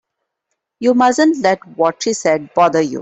You mustn't let what she said bother you.